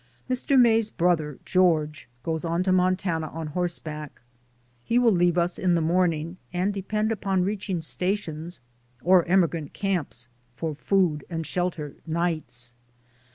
Mr. May's brother, George, goes on to Montana on horseback; he wull leave us in the morning and depend upon reaching stations, or emigrant camps, for food and shelter nights.